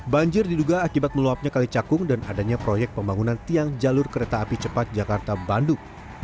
banjir diduga akibat meluapnya kali cakung dan adanya proyek pembangunan tiang jalur kereta api cepat jakarta bandung